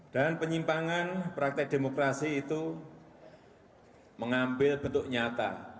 dan penyimpangan praktek demokrasi itu mengambil bentuk nyata